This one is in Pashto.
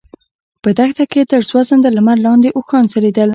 په دښته کې تر سوځنده لمر لاندې اوښان څرېدل.